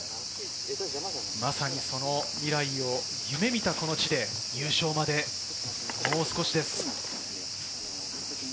まさに、その未来を夢見たこの地で優勝までもう少しです。